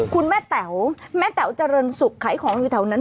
คุณแม่แต๋วแม่แต๋วเจริญสุขขายของอยู่แถวนั้น